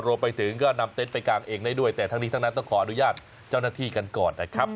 รวมไปถึงก็นำเต็นต์ไปกางเองได้ด้วยแต่ทั้งนี้ทั้งนั้นต้องขออนุญาตเจ้าหน้าที่กันก่อนนะครับ